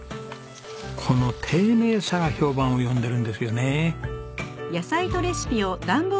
この丁寧さが評判を呼んでるんですよね。